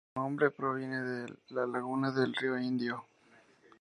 Su nombre proviene de la laguna del Río Indio.